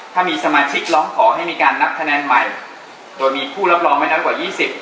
ถ้ามีสมาชิกร้องขอให้มีการนับคะแนนใหม่โดยมีผู้รับรองไม่น้อยกว่ายี่สิบ